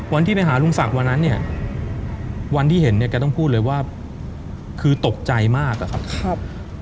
วันที่ไปหาลุงศักดิ์วันนั้นเนี่ยวันที่เห็นเนี่ยแกต้องพูดเลยว่าคือตกใจมากอะครับ